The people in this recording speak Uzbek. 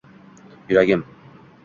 Yuragim.